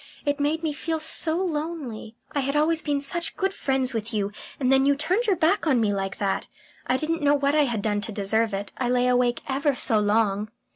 It made me feel so lonely. I had always been such good friends with you, and then you turned your back on me like that. I didn't know what I had done to deserve it. I lay awake ever so long."